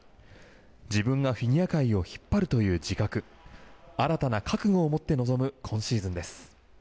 自分がフィギュア界を引っ張るという自覚新たな覚悟を持って臨む今シーズンです。